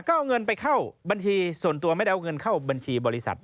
ก็เอาเงินไปเข้าบัญชีส่วนตัวไม่ได้เอาเงินเข้าบัญชีบริษัท